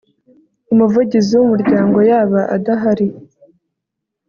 umuvugizi w Umuryango yaba adahari